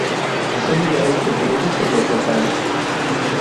Y son lugares preferidos por los locales.